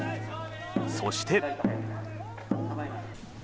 そして。